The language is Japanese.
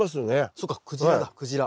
そっかクジラだクジラ。